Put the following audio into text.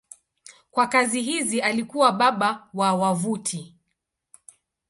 Kwa kazi hizi alikuwa baba wa wavuti.